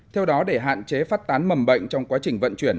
theo đó để hạn chế phát tán mầm bệnh trong quá trình vận chuyển